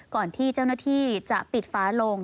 ก่อนที่เจ้าหน้าที่จะปิดฝาลง